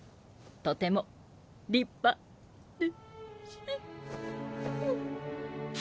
とても立派で。